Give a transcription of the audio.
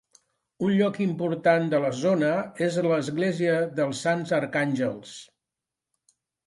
Un lloc important de la zona és l'església dels Sants Arcàngels.